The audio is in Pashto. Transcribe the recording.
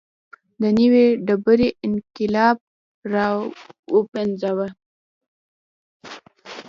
د نوې ډبرې انقلاب راوپنځاوه.